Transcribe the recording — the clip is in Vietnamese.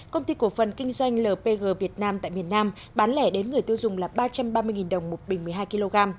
công ty cổ phần kinh doanh lpg việt nam tại miền nam bán lẻ đến người tiêu dùng là ba trăm ba mươi đồng một bình một mươi hai kg